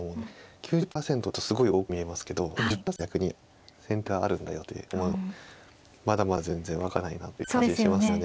９０％っていうとすごい多く見えますけどでも１０％は逆に先手があるんだよって思うとまだまだ全然分からないなという感じがしますよね。